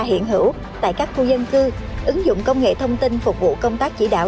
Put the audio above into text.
hiện hữu tại các khu dân cư ứng dụng công nghệ thông tin phục vụ công tác chỉ đạo